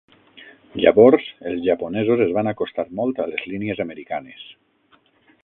Llavors els japonesos es van acostar molt a les línies americanes.